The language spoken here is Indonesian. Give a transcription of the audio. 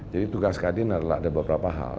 jadi tugas kadin adalah ada beberapa hal